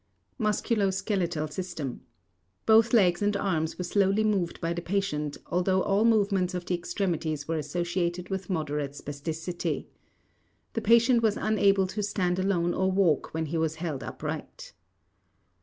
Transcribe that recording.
MUSCULO SKELETAL SYSTEM: Both legs and arms were slowly moved by the patient although all movements of the extremities were associated with moderate spasticity. The patient was unable to stand alone or walk when he was held upright.